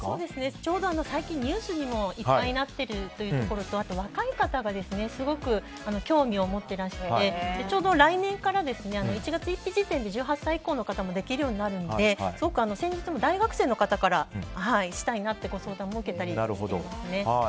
ちょうど最近、いっぱいニュースにもなってるところとあと若い方がすごく興味を持っていらしてちょうど来年から１月１日時点で１８歳以下の方もできるようになるのですごく先日も大学生の方からしたいなというご相談を受けたりしていますね。